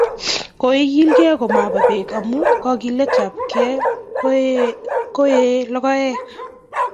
Kigiligei komaba Bek amu kogiletabkei koiye logoek